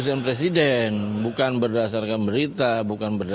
sampai kepada dprd